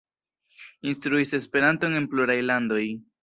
Instruis Esperanton en pluraj landoj.